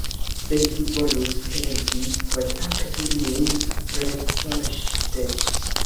Se vi volus helpi, kontaktu min retpoŝte!